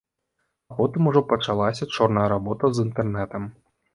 А потым ужо пачалася чорная работа з інтэрнэтам.